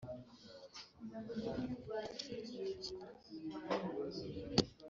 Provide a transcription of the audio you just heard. ubwicanyi bukorwa n'ingabo za apr budakunze